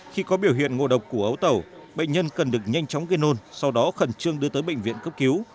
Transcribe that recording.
khi có biểu hiện ngô độc củ ấu tẩu bệnh nhân cần được nhanh chóng ghi nôn sau đó khẩn trương đưa tới bệnh viện cấp cứu